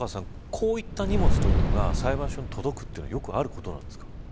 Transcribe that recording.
こういった荷物というのが裁判所に届くのはよくあることなんですか。